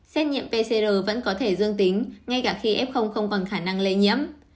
xét nghiệm pcr vẫn có thể dương tính ngay cả khi f không còn khả năng lây nhiễm